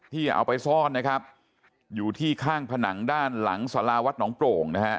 ที่เอาไปซ่อนนะครับอยู่ที่ข้างผนังด้านหลังสาราวัดหนองโปร่งนะฮะ